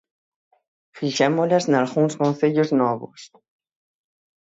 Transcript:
Fixémolas nalgúns concellos novos.